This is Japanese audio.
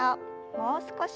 もう少し。